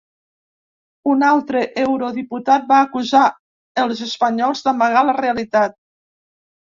Un altre eurodiputat va acusar els espanyols d’amagar la realitat.